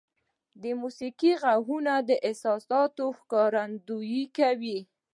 • د موسیقۍ ږغونه د احساساتو ښکارندویي کوي.